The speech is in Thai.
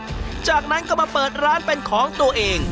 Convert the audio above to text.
ข้างในยังชำอยู่เลยนื้อไม่เหนียวไม่แข็ง